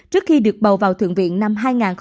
trước khi được bầu vào thượng viện năm hai nghìn hai mươi